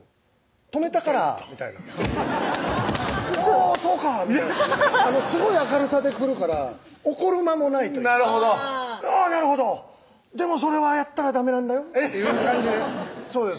「泊めたから」みたいな「おぉそうか」みたいなすごい明るさで来るから怒る間もないというかなるほど「あぁなるほどでもそれはやったらダメなんだよ」という感じでそうです